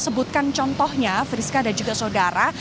sebutkan contohnya friska dan juga saudara